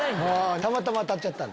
たまたま当たっちゃったんだ。